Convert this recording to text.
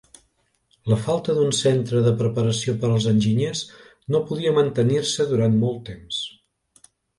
La falta d'un centre de preparació per als Enginyers no podia mantenir-se durant molt temps.